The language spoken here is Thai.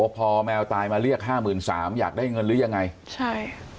พอแมวตายมาเรียกห้าหมื่นสามอยากได้เงินหรือยังไงใช่